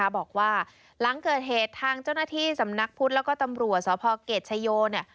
บอกว่าหลังเกิดเหตุทางเจ้าหน้าที่สำนักพุทธแล้วก็ตำรวจสพเกรดชโย